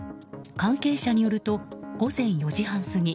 関係者によると午前４時半過ぎ